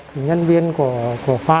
thì nhân viên của pha